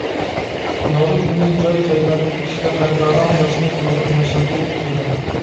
نورۇز كۈنى جاي-جايلاردىكى كىشىلەر رەڭگارەڭ ياسىنىپ، نورۇز مەشرىپى ئۆتكۈزىدۇ.